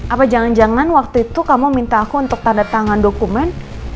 apa jangan jangan waktu itu kamu minta aku untuk tanda tangan dokumen